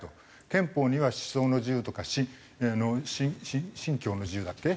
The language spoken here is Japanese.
憲法には思想の自由とか信教の自由だっけ？